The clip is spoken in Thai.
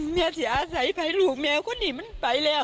แมวเสียใส่ไปลูกแมวคุณอี๋มันไปแล้ว